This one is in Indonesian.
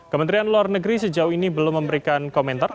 kementerian luar negeri sejauh ini belum memberikan komentar